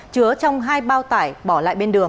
chứa trong hai bao tải bỏ lại bên đường